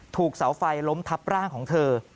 ถูกเสาไฟล้มทับร่างของเธอ